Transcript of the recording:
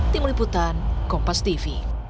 tim liputan kompas tv